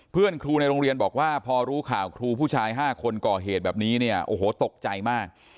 เพื่อนครูในโรงเรียนบอกว่าพอรู้ข่าวครูผู้ชาย๕คนก่อเหตุแบบนี้เนี่ยโอ้โหตกใจมาก